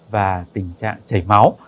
và tình trạng chảy máu